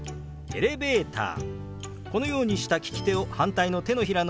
「エレベーター」。